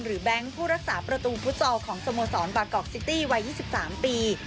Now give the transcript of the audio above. แบงค์ผู้รักษาประตูฟุตซอลของสโมสรบากอกซิตี้วัย๒๓ปี